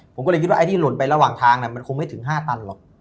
ผมก็เลยคิดว่าไอ้ที่หล่นไประหว่างทางมันคงไม่ถึง๕ตันหรอก